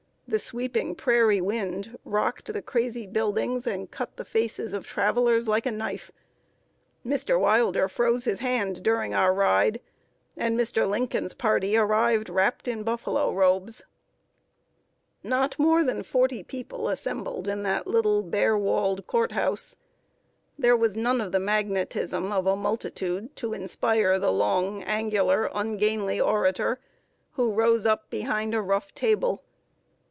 The sweeping prairie wind rocked the crazy buildings, and cut the faces of travelers like a knife. Mr. Wilder froze his hand during our ride, and Mr. Lincoln's party arrived wrapped in buffalo robes. [Sidenote: HIS MANNER OF PUBLIC SPEAKING.] Not more than forty people assembled in that little, bare walled court house. There was none of the magnetism of a multitude to inspire the long, angular, ungainly orator, who rose up behind a rough table.